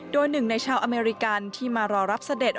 โดยหนึ่งในชาวอเมริกันที่มารอรับเสด็จ